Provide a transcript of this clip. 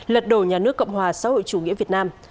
lật đổ nhà nước cộng hòa xã hội chủ nghĩa việt nam